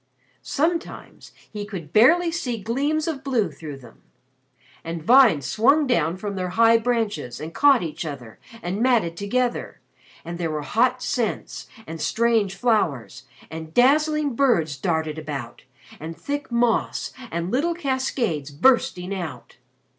Sometimes he could barely see gleams of blue through them. And vines swung down from their high branches, and caught each other, and matted together; and there were hot scents, and strange flowers, and dazzling birds darting about, and thick moss, and little cascades bursting out.